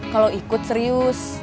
kalau ikut serius